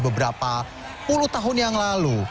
beberapa puluh tahun yang lalu